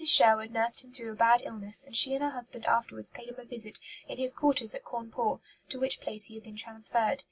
Sherwood nursed him through a bad illness, and she and her husband afterwards paid him a visit in his quarters at Cawnpore, to which place he had been transferred.